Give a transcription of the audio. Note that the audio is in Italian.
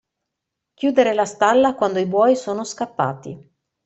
Chiudere la stalla quando i buoi sono scappati.